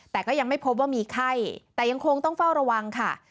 แต่ก็ยังไม่พบว่ามีไข้แต่ยังคงต้องเฝ้าระวังค่ะ